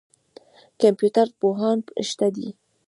کمپیوټر پوهان شته دي.